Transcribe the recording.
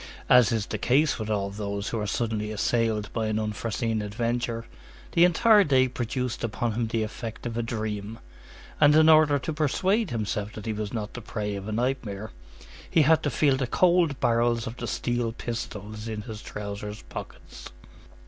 As is the case with all those who are suddenly assailed by an unforeseen adventure, the entire day produced upon him the effect of a dream, and in order to persuade himself that he was not the prey of a nightmare, he had to feel the cold barrels of the steel pistols in his trousers pockets.